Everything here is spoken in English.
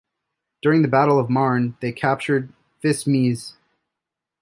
During the Battle of Marne, they captured Fismes.